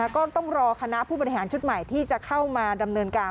ก็ต้องรอคณะผู้บริหารชุดใหม่ที่จะเข้ามาดำเนินการ